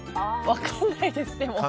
分かんないです。